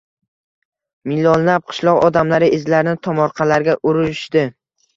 — millionlab qishloq odamlari o‘zlarini tomorqalarga urishdi